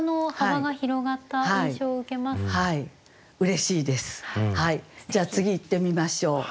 じゃあ次いってみましょう。